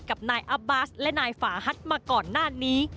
กับนายอับบาสและนายฝาฮัทมาก่อนหน้านี้